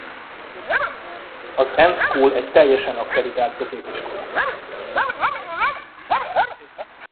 Az N School egy teljesen akkreditált középiskola.